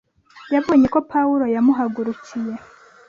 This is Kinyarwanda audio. Yabonye ko Pawulo yamuhagurukiye.